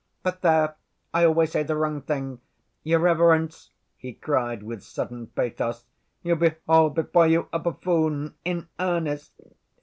But, there! I always say the wrong thing. Your reverence," he cried, with sudden pathos, "you behold before you a buffoon in earnest!